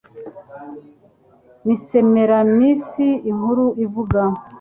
Ni Semiramis inkuru ivuga